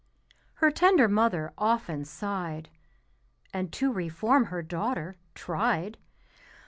Her tender mother often sighed, And to reform her daughter tried.